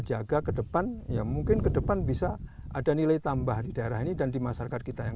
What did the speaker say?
jaga ke depan ya mungkin ke depan bisa ada nilai tambah di daerah ini dan di masyarakat kita yang